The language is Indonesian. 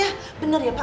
aduh pak terima kasih pak